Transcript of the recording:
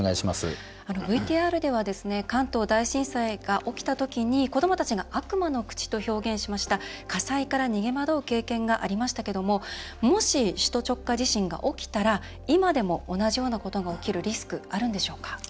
ＶＴＲでは関東大震災が起きた時に子どもたちが悪魔の口と表現しました火災から逃げ惑う経験がありましたけどももし首都直下地震が起きたら今でも同じようなことが起きるリスクはあるのでしょうか？